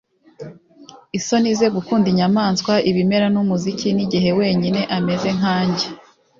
isoni ze, gukunda inyamaswa, ibimera n'umuziki, n'igihe wenyine ... ameze nkanjye